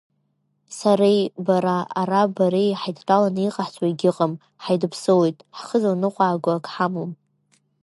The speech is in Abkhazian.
Сареи, бара, ара бареи ҳаидтәаланы иҟаҳҵуа егьыҟам, ҳаидԥсылоит, ҳхы зланыҟәааго ҳамам…